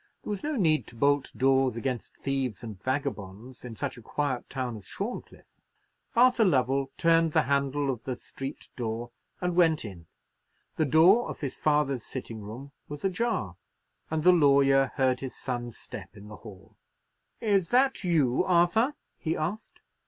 There was no need to bolt doors against thieves and vagabonds in such a quiet town as Shorncliffe. Arthur Lovell turned the handle of the street door and went in. The door of his father's sitting room was ajar, and the lawyer heard his son's step in the hall. "Is that you, Arthur?" he asked.